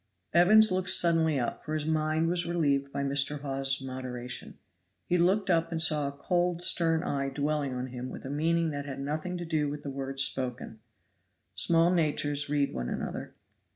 Evans looked suddenly up, for his mind was relieved by Mr. Hawes's moderation; he looked up and saw a cold, stern eye dwelling on him with a meaning that had nothing to do with the words spoken. Small natures read one another.